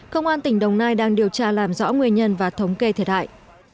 công an tỉnh đồng nai đang điều tra làm rõ nguyên nhân và thống kê thiệt hại